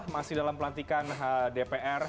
masih dalam pelantikan dpr